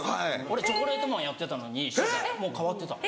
俺チョコレートマンやってたのにもう変わってた。